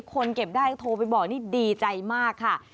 คนเก็บได้โทรไปบอกนี่ดีใจมากค่ะ